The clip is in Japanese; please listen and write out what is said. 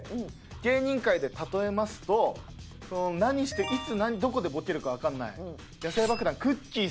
芸人界で例えますと何していつどこでボケるかわかんない野性爆弾くっきー！